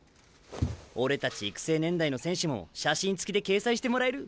俺たち育成年代の選手も写真つきで掲載してもらえる。